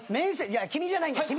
いや君じゃないんだよ。